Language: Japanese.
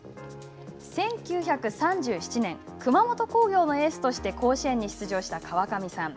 １９３７年、熊本工業のエースとして甲子園に出場した川上さん。